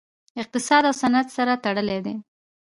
اقتصاد او صنعت سره تړلي دي